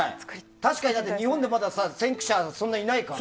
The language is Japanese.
確かに日本で先駆者、そんなにいないから。